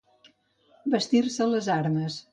Vestir-se les armes.